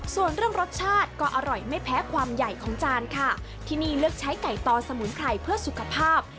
ส่วนเรื่องรสชาติก็อร่อยไม่แพ้ความใหญ่ของจานค่ะที่นี่เลือกใช้ไก่ต่อสมุนไพรเพื่อสุขภาพ